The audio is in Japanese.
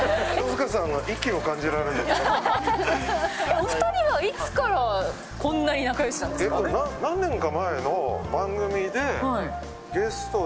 お二人はいつからこんなに仲良しなんですか。